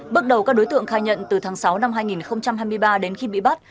bước đầu các đối tượng khai nhận từ tháng sáu năm hai nghìn hai mươi ba đến khi bị bắt